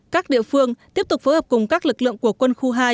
các địa phương tiếp tục phối hợp cùng các lực lượng của quân khu hai